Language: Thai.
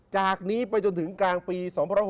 จากนี้ไปจนถึงกลางปี๒๖๖